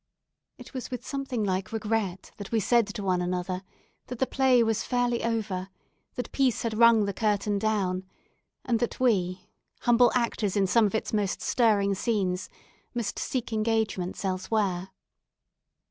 It was with something like regret that we said to one another that the play was fairly over, that peace had rung the curtain down, and that we, humble actors in some of its most stirring scenes, must seek engagements elsewhere.